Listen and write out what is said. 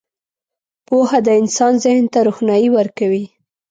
• پوهه د انسان ذهن ته روښنايي ورکوي.